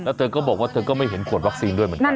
แล้วเธอก็บอกว่าเธอก็ไม่เห็นขวดวัคซีนด้วยเหมือนกัน